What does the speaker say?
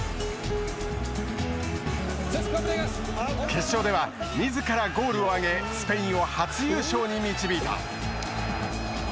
決勝では、自らゴールを挙げスペインを初優勝に導いた。